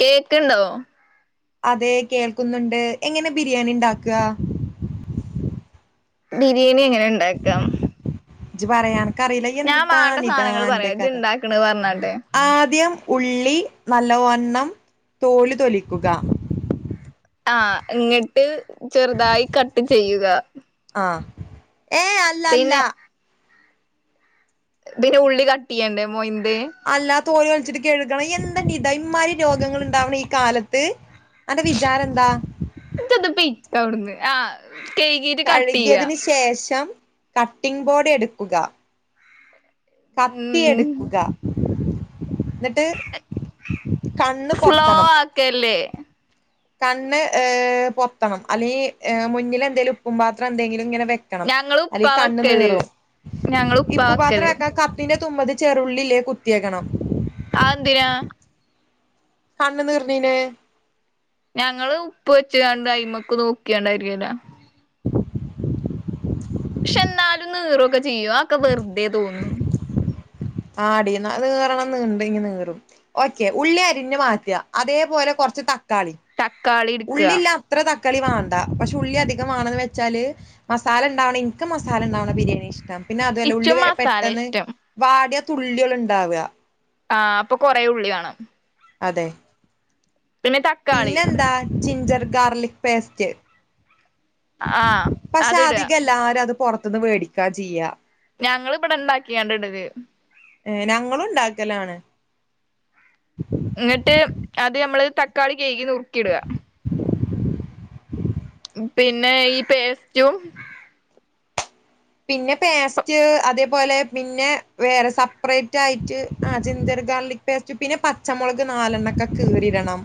Cake ഇണ്ടോ? അതെ കേൾക്കുന്നുണ്ട് എങ്ങനെ ബിരിയാണി ഉണ്ടാക്ക? ബിരിയാണി എങ്ങനെ ഇണ്ടാക്കാന്ന്. ഇജ് പറയാ അനകറിയില്ലേ എന്തിത്താ നിദാ സാധനങ്ങൾ അൻ്റെ പറയാ ഇജ്ജ് കഥ ഇണ്ടാക്ക്ണത് പറഞ്ഞാട്ടെ ആദ്യം ഉള്ളി നല്ലവണ്ണം തോലു തൊലിക്കുക. ആഹ ഇങ്ങിട്ട് ചെറുതായി കട്ട് ചെയ്യുക ആഹ ഏ അല്ല അല്ല പിന്നെ പിന്നെ ഉള്ളി കട്ട് ചെയ്യണ്ടേ മ അല്ലാ തോലി വലിച്ചിട്ട് കഴുകണം എന്തത ഇമാതി രോഗങ്ങ ഉണ്ടാവണം ഈ കാലത്ത് അന്റെ വിചാരംന്താ തടന്ന് ആ കഴുകിയതിനു ശേഷം കട്ടിംഗ ബോർഡ് എടുക്കുക ഉം കത്തിയെടുക്കുക. എന്നിട്ട് കണ്ണ് സ്ലോ പൊത്തണം. ആക്കല്ലേ കണ്ണ് ഏഹ് പൊത്തണം അല്ലെങ്കിൽ മുന്നിൽ എന്തെങ്കിലും ഉപ്പും പാത്രം എന്തെങ്കിലും ഇങ്ങനെ വെക്കണം ഞങ്ങള് അല്ലെ ഉപ്പാ വെക്കല് കണ്നിറും ഞങ്ങള് ഉപ്പാ ഇപ്പം പാത്രം വെക്കല് വെക്കാൻ കതിന്റെ ൊമ്പത് ചെറുള്ളിലേ? കുത്തിയേക്കണം ആന്തിനാ കണ് തീർണീന് ഞങ്ങള് ഉപ്പ് വെച്ച കണ്ട് അയി്മക്ക് നോക്കിയണ്ടായിരിക്കല്ല പക്ഷെ എന്നാലും നീറുംൊക്കെ ചെയ്യോ ഒക്കെ വെറുതെ തോന്നും ആടി നീറണം നീണ്ട ഇ നീറും ഓക്കെ ഉള്ളി അരിഞ്ഞഞ് മാറ്റയാ അതേപല ച് തക്കാളി തക്കാളി ഇട്ക്കക തക്കളി വാണ്ടാ പക്ഷെ ഉള്ളി അധികം വേണന്ന് വെച്ചാല് മസാല ഉണ്ടാവണ എനക്ക് മസാല ഉണ്ടാവണം ബിയാണി ഇഷ്ടം പിന്നെ അതുഅല്ല ഉള്ളി ഇച്ചും മസാല പെട്ടെന്ന് ഇഷ്ടം വാടിയ തുള്ളി ഉണ്ടാവുക ആഹ അപ്പൊ കൊറെ ഉള്ളി വാണം അതെ തക്കാളി പിന്നെന്താ ജിഞ്ചർ ഗാർലിക് പേസ്റ്റ് ആഹ് പക്ഷെ അതിടുക അധികം എല്ലാരും അത് പുൊറത്തന്ന് മേടിക്കാ ചെയ്യാ ഞങ്ങ ഇവിടെ ഇണ്ടാക്കിയണ്ട ഇടത് ഏ ഞങ്ങളും ഉണ്ടാക്കലാണ് എന്നങ്ങിട്ട് അത് നമ്മള് തക്കാളി കേഴ്കി നുറുക്കിടുക പിന്നെ ഈ പേസ്റ്റും പിന്നെ പേസ്റ്റ് അതേപോലെ പിന്നെ വേറെ സെപ്പറേറ്റ് ആയിട്ട് ആ ചിന്ത ഗാർലിക് പേസ്റ്റ് പിന്നെ പച്ചമുളക് നാലെണ്ണക്കെ ക കേറിടണം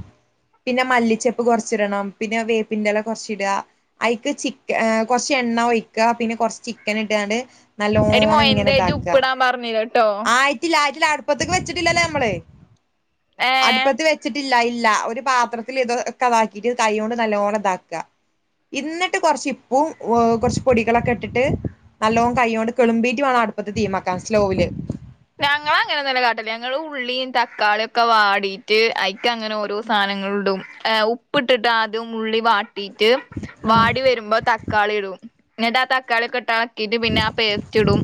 പിന്നെ മല്ലിച്ചപ്പ് കുറച്ചിടണം പിന്നെ വേപ്പിൻന്റെറെല കുറച്ച ഇടുക അതിക്ക് ചിക്ക കുറച്ച എണ്ണ ഒഴിക്ക പിന്നെ കൊറച്ച് ചിക്കൻ ഇട്ടാണ്ട് നല്ല എടി ഓണം മൊയന്റേജ് ഇങ്ങനെതാക്കുക ഉപ്പിടാൻ പറഞ്ഞില്ലട്ടോ ആയിരത്തിള്ളായിരത്തി അടുപ്പത്തക്ക് വെച്ചിട്ടില്ലല്ലേ നമ്മള് ഏഹ് അടുപ്പ വെച്ചിട്ട ഇല്ല ഇല്ല ഒരു പാത്രത്തിൽ ഇത ഒക്കെ അതാക്കിട്ട് കൈ കൊണ്ട് നല്ലവോണം ഇതാക്കുക ഇന്നിട്ട് കൊറച്ച് ഇപ്പും കുറച്ച് പൊടികളൊക്കെ ഇട്ടിട്ട് നല്ലോണം കയ്യോ കൊണ്ട് കിളുമ്പീറ്റു വേണം അടുപ്പത്തെ തീമാക്കാൻ സ്ലോവില് ഞങ്ങ അങ്ങനെ നല്ല കാട്ടല്ല ഞങ്ങൾ ഉള്ളിയും തക്കാളിയ ഒക്കെ വാടിട്ട് അഐക്ക അങ്ങനെ ഓോ സധന ഉപ്പിട്ടിട്ട് അത് ഉി കട്ടട്ട് വാടി വരുമ്പോ തക്കാളി ഇടും എന്നിട്ട് ആ തക്കാളി കെട്ട ിട്ട് പിന്നെ ആ പേസ്റ്റ് ഇടും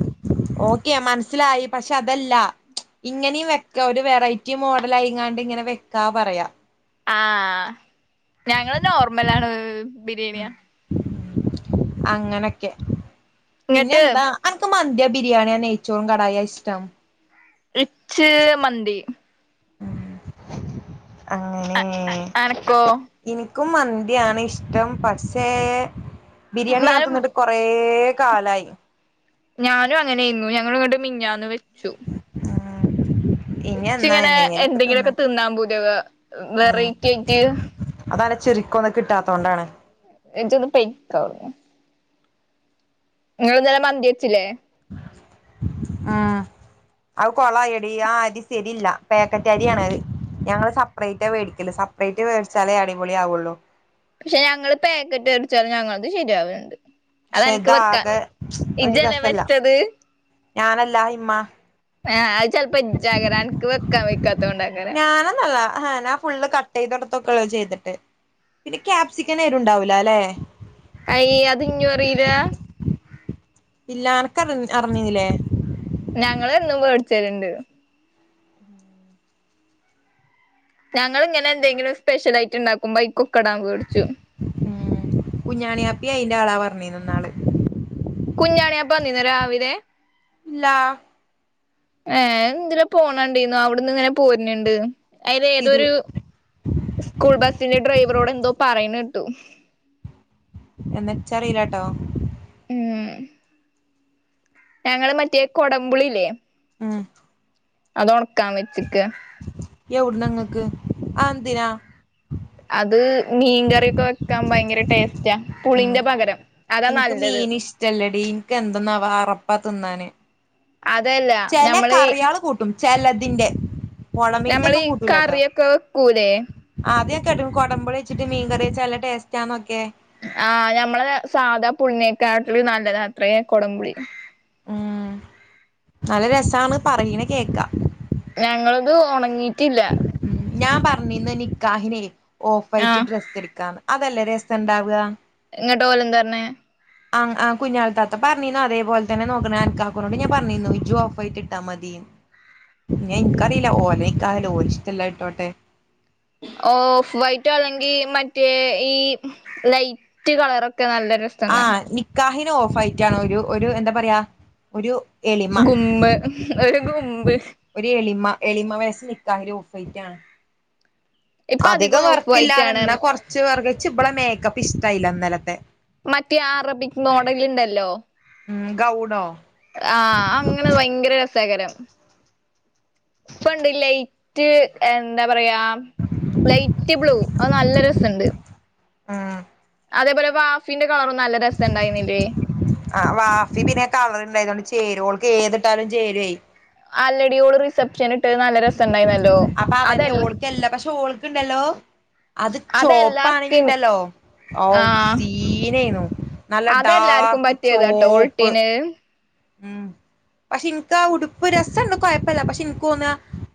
ഓക്കെ മനസ്സിലായി പക്ഷെ അതല്ല ഇങ്ങനെയും വെക്കാ ഒരു വെറൈറ്റി മോഡൽ ആയിങ്ങാണ്ട് ഇങ്ങനെ വെക്കാ പറയാ ആഹ ഞങ്ങള് നോർമല ആാണ് ബിരിയാണിയാ അങ്ങനൊക്കെ പിന്നെ ഇങ്ങട്ട് എന്താനക്ക് മന്തി ബിരിയാണിയാണ് ഏച്ചോവുംും കടായ ഇഷ്ടം റിച്ച് മന്തി അങ്ങനെ അനക്കോ ഇനി ക്കും മന്തിയാണ് ഇഷ്ടം പക്ഷേ ബിരിയാണി ഞ എന്നാലും തിന്നിട്ട് കുറെ കാലായി ഞാനും അങ്ങനെ ഇുന്നു ഞങ്ങ ഇങ്ങോട്ട് മിഞ്ഞാന്ന് വെച്ചു ആ ഇഞ്ഞാന്നാ ഇച്ചിങ്ങനെ എന്തെങ്കിലൊക്കെ തിന്നാ എന്തെങ്കിലുമൊക്കെ തിന്നാൻ പൂതിയാവാ ആ വെറൈറ്റി ആയിട്ട് അ തട് ചെരിക്കൊ ഒന്നും കിട്ടാത്തോണ്ടാണ് എജന്നു പൈാക്കൊ നിങ്ങ ഇന്നലെ മന്തി വെച്ചില്ലേ ആ അത് കൊളായടി ആ അരി ശരില്ല പാക്കറ്റ് അരിയാണത് ഞങ്ങള് സെപ്പറേറ്റ് മേടിക്കല് സെപ്പറേറ്റ് മേടിച്ചാലേ അടിപൊളിയാവുള്ളു പക്ഷെ ഞങ്ങള് പാക്കറ്റ് എടിച്ചാലും ഞങ്ങളത് ശരിയാവണ്ട് അത പക്ഷെ എനിക്ക് വെക്കാ ഇതാകെ ഒരു ഇജ്ജല്ലേ രസല്ല വെച്ചത് ഞാനല്ല ഇമ്മ ആ അത് ചെൽപ്പോ ജാഗര അൻക്ക് വെക്കാ ഞാനന്നല്ല ആ ഞാഫുള്ള് കട്ട തോടത്തൊക്കെ ഉള്ള ചെയ്തിട്ട് പിന്നെ ക്യാപ്സിക്കൻ എരു ഉണ്ടാവൂലല്ലേ അയ് അത് ഇഞ്ഞും അറീല ഇല്ല അനക്ക് അറിഞ്ഞീന്നില്ലേ ഞങ്ങളെന്നും വേടിച്ചരുണ്ട് ഞങ്ങള് ഇങ്ങനെ എന്തെങ്കിലും സ്പെഷ്യൽയിട്ട് ഉണ്ടാക്കുമ്പോ ക്കൊക്കെടാൻ മേടിച്ചു ഉം കുഞ്ഞാണി ആപ്പി അയിൻ്റെ ആളാ പറഞ്ഞിന്നാള് [unintelligible] രാവിലെ ലാ ഏ ഇന്തില പോണണ്ടു അവിടന്ന് ങ്ങനെ പോരണ്ണ്ണ്ട് ഐ സിധു ലേതോരു സ്കൂൾ ബസിന്റെ ഡ്രൈവറോട് എന്തോ പറയിണേട്ടു എന്നച്ചറിലാട്ടോ ഉം ഞങ്ങള് മറ്റേ കൊടമ്പുളില്ലേ ആം ആ അത് ഉണക്കാം വെച്ചിക്ക് എവിടുന്നങ്ങക്ക് ആ എന്തിനാ അത് മീൻകറിയൊക്കെ വെക്കാൻ ഭയങ്കര ടേസ്റ്റാ പുളിന്റെ പകരം അതാ നല്ലത് ല്ലടി എനിക്ക് എന്തന്നാവാ അറപ്പാ തിന്നാന് അതല്ല ചില ഞമ്മള് കറിയള് കൂട്ടും ചിലതിൻ്റെ ഞമ്മളീ ഒളമീന്റൊന്നും കൂട്ടൂലട്ടോ കറിയൊക്കെ വെക്കൂലേ അതെ കൊടമ്പൊളി വച്ചിട്ട് മീൻകറി വെച്ചാ നല്ല ടേസ്റ്റ്ന്നൊക്കെ ആ ഞമ്മളെ സാധാ പുളി നാക്കിട്ടം നല്ലതാ അത്രയും കൊടംപുളി ഉം നല്ല രസാണ് പറയീനെ കേക്കാ ഞങ്ങളത് ഉണങ്ങിട്ടില്ല ഉം ഞാൻ പറഞ്ഞിന്ന് നിക്കാഹിനെ ഓഫ് വൈറ്റ് ആഹ് ഡ്രസ്സ് എടുക്കാന്ന് അതെല്ലാം രസം ഉണ്ടാവുക ഇങ്ങട്ട് ഓലെന്താ പറഞ്ഞെ ആ ആ കുഞ്ഞാൾ താത്ത പറഞ്ഞിനു അതേപലെ തന്നെ നോക്കണ ആക്കാക്കനോട് ഞാൻ പറഞ്ഞിരുന്നു ഇജും ഓഫ് വൈറ്റിട്ടാ മതി ഞാൻ ഇനിക്കറിയില്ല ഓലെ നിക്കാഹലെ ഓല് ഇഷ്ടളെ ഇട്ടോട്ടെ ഓഫ് വൈറ്റോ അല്ലെങ്കിൽ മറ്റേ ഈ ലൈറ്റ് കളറൊക്കെ ക്കെ നല്ലരസണ്ടാവും ഓഫ് വൈറ്റാണ്ണ് എന്താ പറയാ ഒരു എളിമ ഗുമ്മ് ഒരു ഗുമ്മ് ഒരു എളിമ എളിമ വയസ്സാ നിക്കാഹിന് ഓഫ് വൈറ്റാണ് ഇപ്പൊ അധികം ഓഫ് വർക്ക് വൈറ്റ് ആണ് ഇല്ലാതന്ന കൊറച്ച് വർക്ക് ഇവളെ മേക്കപ്പ് ഇഷ്ടായില്ല ഇന്നലത്തെ മറ്റേ അറബിക് മോഡല് ഇണ്ടല്ലോ ഉം ഗൗണോ ആഹ് അങ്ങനെ ഭയങ്കര രസൈകാരം ഇപ്പ ഇണ്ട് ലൈറ്റ് എന്താ പറയാ ലൈറ്റ് ബ്ലൂ അത് നല്ലൊരു ര സണ്ട് ആഹ് അതേപോലെ വാഫിന്റെ കളറും നല്ല രസണ്ടായിരുന്നില്ലേ ആ വാഫി പിന്നെ കളർണ്ടായതുകൊണ്ട് ചേരു ക് ഏതിട്ടാലും ചേരു ഏ ആല്ലടിയോട് റിസപ്ഷൻ ഇട്ട നല്ല രസം ണ്ടായിന്നല്ലോ അപ്പൊ അതന്നെ അതല്ലേ ഓൾക്കല്ല പക്ഷെ ഓൾക്ക്ണ്ടല്ലോ അത് അതെല്ലാ ചോപ്പാണെങ്കി സ്കിൻ ഉണ്ടല്ലോ ഔ ആഹ് സീനയിന്നു നല്ല അതെല്ലാർക്കും ഡാർക്ക് പറ്റിയതാട്ടോ ചോപ്പ് ഓളിട്ടീന് ഉം പക്ഷെ എനിക്ക് ആ ഉടുപ്പ് രസം ഇണ്ട് കുഴപ്പില്ല പക്ഷെ എനിക്ക് തോന്ന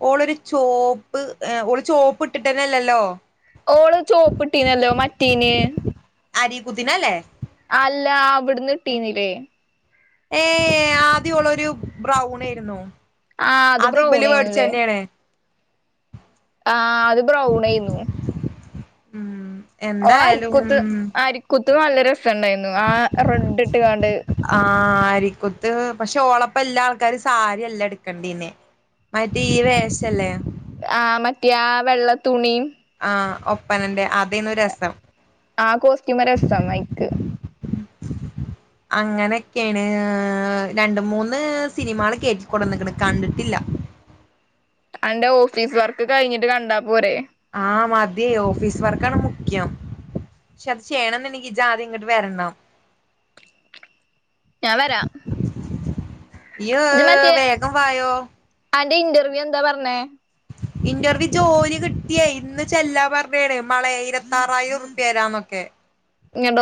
ഓളൊരു ചോപ്പ് ഓള് ചോപ്പ് ഇട്ടിട്ടന്നെല്ലല്ലോ ഓള് ചോപ്പിട്ടീനല്ലോ മറ്റീന് അരി കുത്തിന് അല്ലേ അല്ല അവിട്ന്ന് ഇട്ടീന്നില്ലേ ഏഏ ആദ്യം ഓളൊരു ബ്രൗൺ ആയിരുന്നു ആഹ് അത് ഇബല് മേടിച്ച ബ്രൗണേന്നുല്ലേ തന്നെയണേ ആഹ് അത് ബ്രൗണേന്നു ഉം ഓളെ എന്തായാലും അരിക്കൂത്ത് അരിക്കൂ ത് നല്ല രസണ്ടായിരുന്നു ആ റെഡ് ഇട്ട് കാണ്ട് ആഹ് അരിക്കുത്ത് പക്ഷെ ഓളപ്പ എല്ലാ ആൾക്കാരും സാരി അല്ലാ എടുക്കണ്ടിന്നെ മറ്റേ ഇവ വേഷല്ലേ ആഹ് മറ്റേ ആ വെള്ളത്തുണിയും ആ ഒപ്പനന്റെ അതേന്നു രസം ആഹ് കോസ്റ്റ്യൂമ് രസം അയിക്ക് അങ്ങനൊക്കെയാണ് രണ്ട് മൂന്ന് സിനിമകള് കേറ്റിക്കൊടന്ന്ക്ണ് കണ്ടിട്ടില്ല അന്റെ ഓഫീസ് വർക്ക് കഴിഞ്ഞിട്ട് കണ്ടാ പോരെ ആഹ മതി ഓഫീസ് വർക്ക ആണ് മുഖ്യം പക്ഷെ അത് ചെയ്യണംന്ന്നക്ക്ജാ ആദ്യം ഇങ്ങോട്ട് വരണം ഞാൻ വരാ യ വേഗം വായോ അന്റെ ഇന്റർവ്യൂ എന്താ പറഞ്ഞേ ഇന്റർവ്യൂ ജോലി കിട്ടിയേ ഇന്ന് ചെല്ലാ പറഞ്ഞാണ് മളയ ഇരത്തിറായിരംറപി വരാന്നൊക്കെ ഇങ്ങത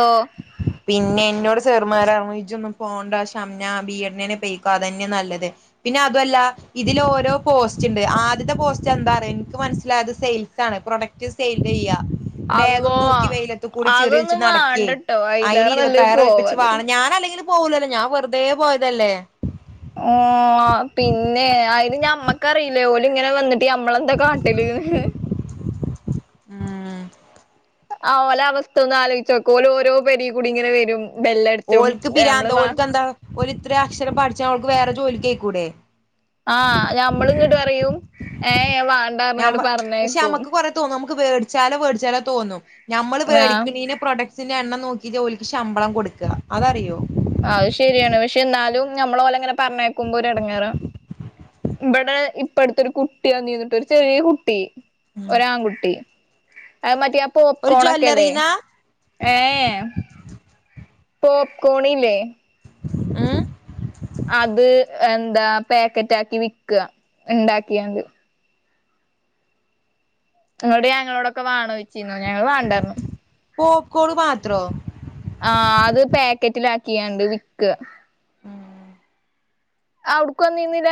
എന്നോട് സെറമാജ ഒന്നും പോണ്ട ന ബീ എടേ പേക്ക അതന്നെ നല്ലത് പിന്നെ അതല്ല ഇതില ഓരോ പോസ്റ്റ് ഉണ്ട് ആദ്യത്തെ പോസ്റ്റ് ചെന്താറ എനിക്ക് മനസ്സിലായത് സെയിൽസ് ആണ് പ്രൊഡക്റ്റ് സെയിൽ ചെയ്യ ബേഗം അള്ളോ തൂക്കി വെയിലത്ത കൂടി ചെറിച്ച് അതൊന്നും നടക്കിയേ വാണ്ടട്ടോ അയിന് അയിലേറെ നല്ലത് ഇരുപത്തായിരം ഒഴിപ്പിച്ച് വാ പോവാതിരി ഞൻ അല്ലെങ്ക പോകൂലല്ലോ ഞാൻ വെറുതെ പോയതല്ലേ ഓ പിന്നെ അതിന് ഞാൻ അമ്മക്കറിയില്ലേ ഓല ഇങ്ങനെ വന്നിട്ട് ട്ട അമ്മളെന്താ കാട്ടല്ന്ന് ഉം ആ ഓല അവസ്ഥ ഒന്നും ആലോചിച്ചച്ച്ോക്ക ഓല ഓരോ പര കുടി ഇങ്ങനെ വരും ബെല്ലടിച്ചും ഓൽക്ക് നമ്മള് പിരാാന്ന്താ വാ ഓൽക്ക് എന്താ ഓ ഇത്രയും അക്ഷരം പഠിച്ചാ അവഓക്ക് വേറെ ജോലിക്ക് ക കേക്കൂടെേ ആഹ് ഞമ്മള് ഇങ്ങട്ട് പറയും ഏ വ ഞമ്മ പക്ഷെഞമ്മുക്ക് കൊറെ തോന്ന വേട് ചാലോ വോട് ചാലോ തോന്നും ഞമ്മള് ആഹ് മേടിക്കണന പ്രൊഡക്‌സിന് എണ്ണം നോക്കി ഈ ജോലിക്ക് ശമ്പളം കൊടുക്കുക അതറിയോ അത് ശെരിയാണ് പക്ഷെ എന്നാലും നമ്മള ഓല ഇങ്ങനെ പറഞ്ഞേക്കുമ്പോ ഒരു എടങ്ങാറാ ഇവിടെ ഇപ്പടുത്തെൊരു കുട്ടിയാ നീന്നിട്ട് ഒരു ചെറിയ കുട്ടി ഉം ഒരാൺകുട്ടി അത് മറ്റ ഒരു പോപ്കോണൊക്കെ അല്ലേ ജ്വല്ലറീന്നാ ഏ എ പോപ്കോണില്ലേ [unintelligible] അത് എന്താ പാക്കറ്റാക്കി വിക്കുക ഉണ്ടാക്കിയാണ്ട് നിങ്ങോളോട് ഞങ്ങളോടൊക്കെ വാണോയ് ചിനി ഞങ്ങൾ വാണ്ടഞ്ഞു പോപ്കോൺ മാത്രം ആ അത് പാക്കറ്റില ആക്കിയണ്ട് വിക്ക ആ അടുക്ക നീന്നില്ല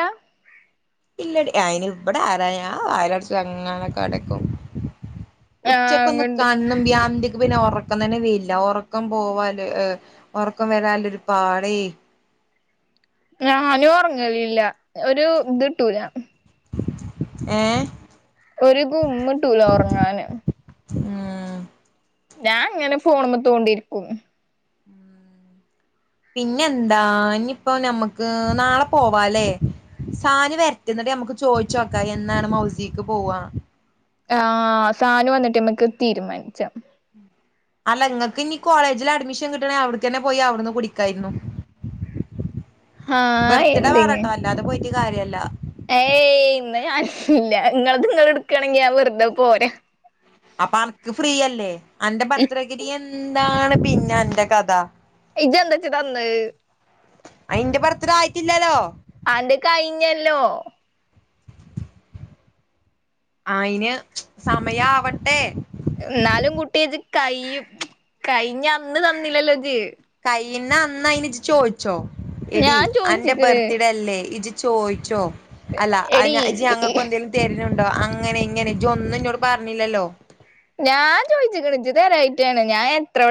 ഇല്ലട അയിന് ഇവിടെ ആരാ വയലടച്ച അങ്ങാനൊക്കെ കടക്കും ആഹ് ഉച്ചക്ക ഒന്ന് ഇങ്ങണ്ട് കാണ്ണ്മ്പ [unintelligible] പിന്നെ ഉറക്കം തന്നെ വല്ല ഉറക്കം പോവാല് ഉറക്കം വരാല്ല ഒരു പാടേ ഞ നോറങ്ങലല്ല ഒരു ഇത്ട്ടൂലാഞാൻ ഏ ഒരു ഗുമ്മിട്ടൂല ഉറങ്ങാന് ആ ഞാൻ ഇങ്ങനെ ഫോണ്മേ തോണ്ടിരിക്കും പിന്നെന്താ ഇനിയിപ്പോ ഞമ്മക്ക് നാളെ പോവാലേ സാല് വരട്ടേ നമക്ക് ചോദിച്ചോക്കാം എന്നാണ് മൗസിക്ക് പോവാ ആ സാനു വന്നിട്ട് നമ്മക്ക് തീരുമാനിച്ചാം അല്ല നിങ്ങക്ക് ഇനി കോളേജില് അഡ്മിഷൻ കിട്ടണെ അവിടെ ക്കെന്നെ പോയി അവിടുന്ന് കുടിക്കായിരുന്നു ആഹ് ബെർത്ത്ഡേ എന്തെങ്ങ് വാറട്ടോ അല്ലാതെ പോയിട്ട് കാര്യല്ല ഏയ് ഇന്ന് ഞാനല്ല നിങ്ങ നിങ്ങ എടുക്കയാണെങ്കി ഞാൻ വെറുതെ പോരാ അപ്പൊ അനക്ക് ഫ്രീയല്ലേ എന്റെ ഭർത്തഗിരി എന്താണ് പിന്നെ എന്റെ കഥ ഇത് എന്താച്ച തന്ന് അയിന്റെ ബർത്ത്ഡാ ആയിട്ടില്ലല്ലോ ആണ്ട് കഴിഞ്ഞല്ലോ അയ്ൻ സമയാവട്ടെ ഇന്നാലും കുട്ടി ജി കയ്യും കഴിഞ്ഞ അന്ന് തന്നില്ലല്ലോ ജി കൈയിണ അന്ന് അയിന് ചോദിച്ചോ എടി ഞാൻ അന്റെ ചോയിച്ചിക്ക്ണ് ബർത്ത്ഡേ അല്ലേ ഇജി ചോയിച്ചോ അല്ല എടീ അയ്ന ജി ഞങ്ങക്ക എന്തെങ്കലും തര് നുണ്ടോ അങ്ങനെ ഇങ്ങനെ ജി ഒന്നും ഇന്നോട് പറഞ്ഞില്ലല്ലോ ഞാൻ ചോദിച്ച്ക്ണ് ജി തരായിട്ടാണ് ഞാൻ എത്രടെ